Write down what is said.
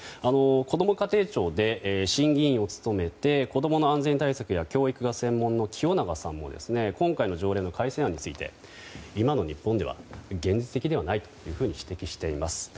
こども家庭庁で審議委員を務めて子供の安全対策や教育が専門の清永さんも今回の条例の改正案について今の日本では現実的ではないと指摘しています。